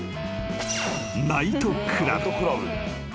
［ナイトクラブ］